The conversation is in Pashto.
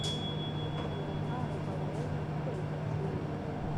سندرغاړو به ویل ښکلي طرزونه.